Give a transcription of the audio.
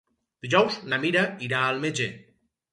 Dijous na Mira irà al metge.